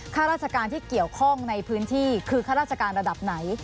ข้าราชการที่เกี่ยวข้องในพื้นที่คือข้าราชการระดับไหน